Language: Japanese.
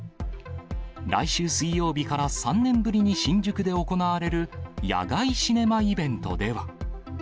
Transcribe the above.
来週水曜日から、３年ぶりに新宿で行われる野外シネマイベントでは。